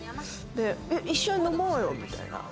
一緒に飲もうよ、みたいな。